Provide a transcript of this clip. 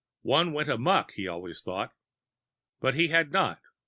One went amok, he had always thought. But he had not.